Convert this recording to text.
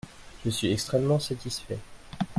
Je suis extrêmement satisfait.